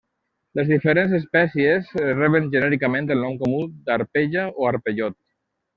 Les diferents espècies reben genèricament el nom comú d'arpella o arpellot.